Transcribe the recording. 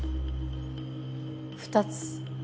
２つ。